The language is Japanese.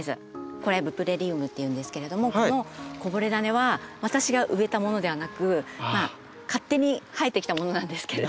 これはブプレリウムっていうんですけれどもこのこぼれダネは私が植えたものではなく勝手に生えてきたものなんですけれども。